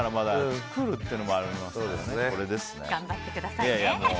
作るっていうのがありますから頑張ってくださいね。